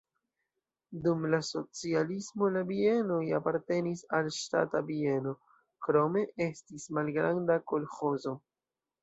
Dum la socialismo la bienoj apartenis al ŝtata bieno, krome estis malgranda kolĥozo.